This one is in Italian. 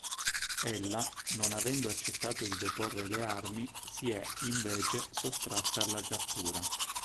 Ella, non avendo accettato di deporre le armi, si è, invece, sottratta alla cattura.